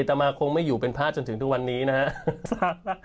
ตามมาคงไม่อยู่เป็นพระจนถึงทุกวันนี้นะครับ